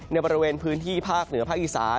ในบริเวณพื้นที่ภาคเหนือภาคอีสาน